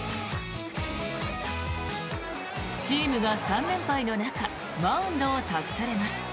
チームが３連敗の中マウンドを託されます。